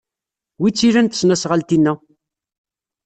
Wi tt-ilan tesnasɣalt-inna?